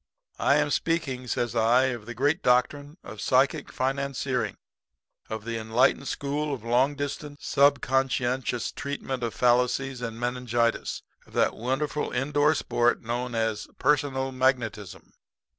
"'I am speaking,' says I, 'of the great doctrine of psychic financiering of the enlightened school of long distance, sub conscientious treatment of fallacies and meningitis of that wonderful in door sport known as personal magnetism.'